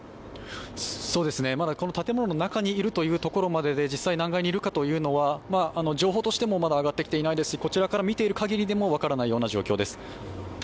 まだこの建物の中にいるところまでということで、実際何階にいるかというのは情報としてもまだ上がってきていませんし、こちらから見ているかぎりでも分からない状況です。